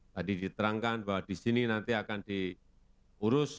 tadi diterangkan bahwa di sini nanti akan diurus